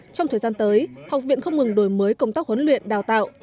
trong thời gian tới học viện không ngừng đổi mới công tác huấn luyện đào tạo